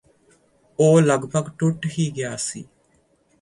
ਉਹ ਲਗਭਗ ਟੁੱਟ ਹੀ ਗਿਆ ਸੀ